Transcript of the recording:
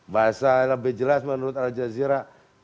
bahasa yang lebih jelas menurut aljazeera